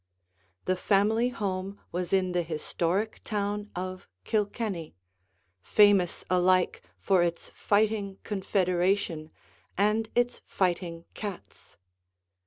The family home was in the historic town of Kilkenny, famous alike for its fighting confederation and its fighting cats.